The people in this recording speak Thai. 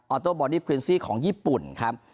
โตบอดี้ควินซี่ของญี่ปุ่นครับ